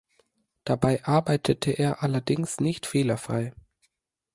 Dabei arbeitete er allerdings nicht fehlerfrei.